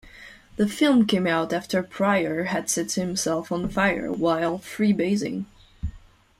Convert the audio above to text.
The film came out after Pryor had set himself on fire while freebasing.